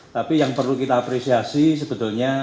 tapi yang perlu kita apresiasi sebetulnya